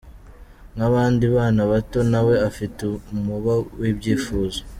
Nk’abandi bana bato, nawe afite umuba w’ibyifuzo.